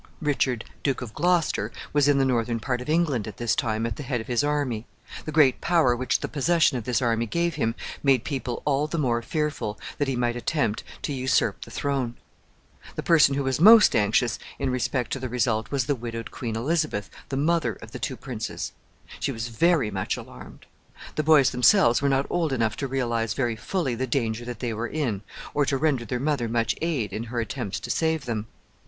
Richard, Duke of Gloucester, was in the northern part of England at this time, at the head of his army. The great power which the possession of this army gave him made people all the more fearful that he might attempt to usurp the throne. The person who was most anxious in respect to the result was the widowed Queen Elizabeth, the mother of the two princes. She was very much alarmed. The boys themselves were not old enough to realize very fully the danger that they were in, or to render their mother much aid in her attempts to save them.